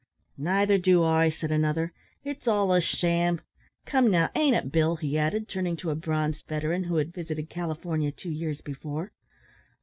"Nother do I," said another, "It's all a sham; come, now, ain't it, Bill?" he added, turning to a bronzed veteran who had visited California two years before.